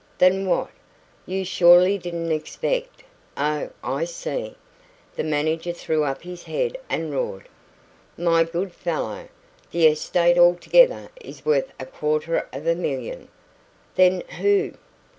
"Than what? You surely didn't expect oh, I see!" The manager threw up his head and roared. "My good fellow, the estate altogether is worth a quarter of a million." "Then who